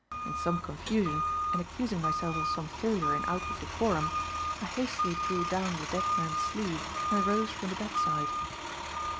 In some confusion, and accusing myself of some failure in outward decorum, I hastily drew down the dead man's sleeve and rose from the bedside.